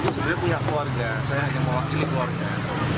itu sebenarnya punya keluarga saya hanya mau wakili keluarga